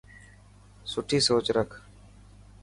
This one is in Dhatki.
سٺي سوچ رک.